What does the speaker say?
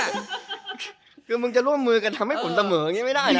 คือมึงจะร่วมมือกันทำให้ผลเสมออย่างนี้ไม่ได้นะ